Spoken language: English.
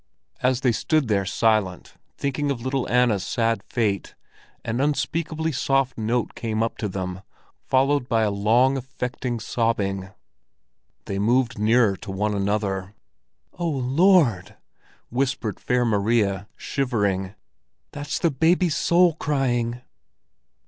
As they stood there silent, thinking of Little Anna's sad fate, an unspeakably soft note came up to them, followed by a long, affecting sobbing. They moved nearer to one another. "Oh, Lord!" whispered Fair Maria, shivering. "That's the baby's soul crying!"